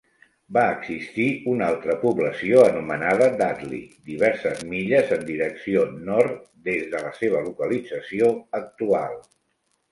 Va existir una altra població anomenada Dudley diverses milles en direcció nord des de la seva localització actual.